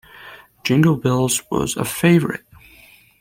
Jingle bells was a favourite.